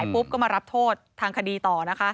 ปุ๊บก็มารับโทษทางคดีต่อนะคะ